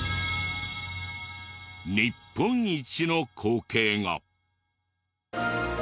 日本一の光景が。